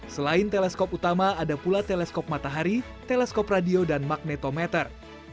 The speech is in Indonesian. selain teleskop utama ada pula teleskop matahari teleskop radio dan magnetometer